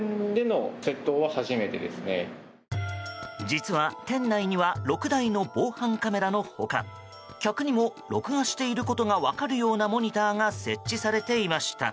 実は店内には６台の防犯カメラの他客にも録画していることが分かるようなモニターが設置されていました。